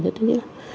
thì tôi nghĩ là